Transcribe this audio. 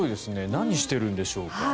何してるんでしょうか。